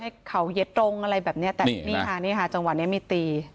ให้เขาเหยียดตรงอะไรแบบเนี้ยแต่นี่ค่ะนี่ค่ะจังหวะนี้มีตี